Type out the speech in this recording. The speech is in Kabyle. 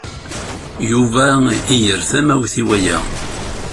Yuba iger tamawt i waya.